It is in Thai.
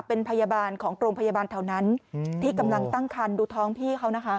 เป็นพยาบาลของโรงพยาบาลแถวนั้นที่กำลังตั้งคันดูท้องพี่เขานะคะ